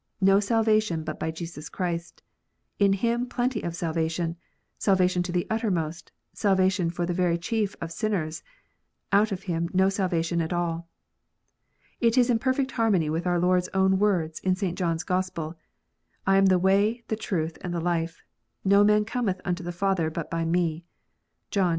"No salvation but by Jesus Christ; in Him plenty of salvation, salvation to the uttermost, salvation for the very chief of sinners ; out of Him no salvation at all." It is in perfect harmony with our Lord s own words in St. John s Gospel, "I am the way, the truth, and the life : no man cometh unto the Father, but by "Me." (John xiv.